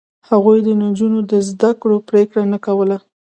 هغوی د نجونو د زده کړو پرېکړه نه کوله.